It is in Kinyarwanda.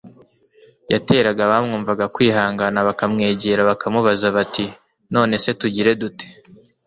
yateraga abamwumvaga kwihana. Bakamwegera bakamubaza bati : none se tugire dute ?